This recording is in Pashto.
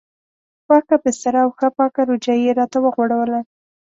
پاکه بستره او ښه پاکه رجایي یې راته وغوړوله.